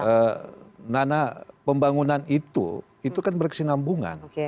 karena pembangunan itu itu kan berkesinambungan